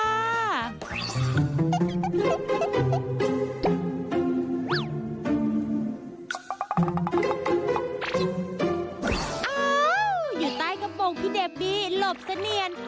อ้าวอยู่ใต้กระโปรงพี่เดบบี้หลบเสนียน